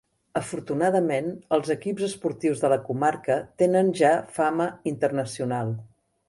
Afortunadament els equips esportius de la comarca tenen ja fama internacional.